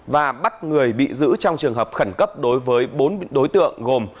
và bắt người bị giữ trong trường hợp khẩn cấp đối với bốn đối tượng gồm